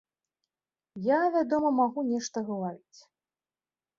Я, вядома, магу нешта гаварыць.